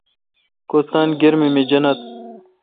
کوستان گرمی می جنت۔